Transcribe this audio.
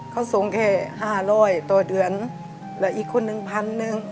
เขาส่งแค่๕๐๐ต่อเดือนและอีกคนนึงพันหนึ่ง